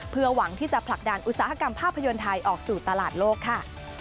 เพื่อหวังที่จะผลักดันอุตสาหกรรมภาพยนตร์ไทยออกสู่ตลาดโลกค่ะ